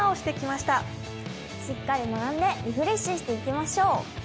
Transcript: しっかり学んでリフレッシュしていきましょう。